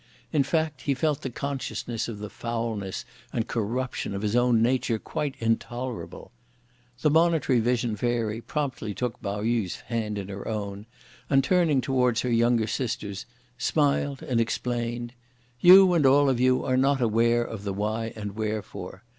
In fact, he felt the consciousness of the foulness and corruption of his own nature quite intolerable. The Monitory Vision Fairy promptly took Pao yü's hand in her own, and turning towards her younger sisters, smiled and explained: "You, and all of you, are not aware of the why and wherefore.